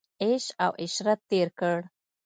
عیش او عشرت تېر کړ.